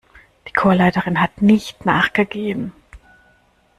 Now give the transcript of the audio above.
Die Chorleiterin hat nicht nachgegeben.